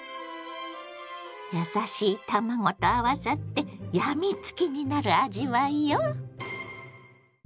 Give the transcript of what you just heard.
優しい卵と合わさって病みつきになる味わいよ。